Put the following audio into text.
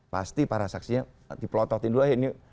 pasti para saksinya dipelototin dulu